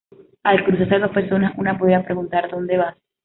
Al cruzarse dos personas una podría preguntar:" ¿dónde vas?